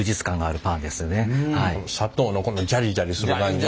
砂糖のこのジャリジャリする感じね。